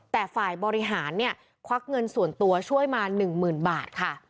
แต่ฝ่ายบริหารเนี่ยควักเงินส่วนตัวช่วยมา๑๐๐๐บาทค่ะ